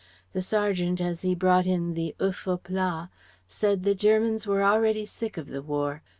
The sergeant as he brought in the oeufs au plat said the soldiers were already sick of the War.